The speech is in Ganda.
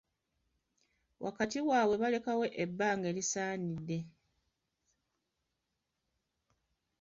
Wakati waabwe balekawo ebbanga erisaanidde.